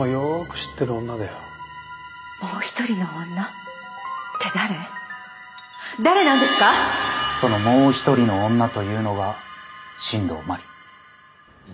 そのもう一人の女というのが新道真理。